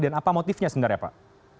dan apa motifnya sebenarnya pak